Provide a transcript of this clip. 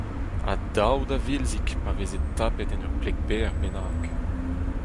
Ha dao da Vilzig, pa veze tapet en ur pleg berr bennak.